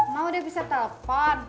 ma udah bisa telepon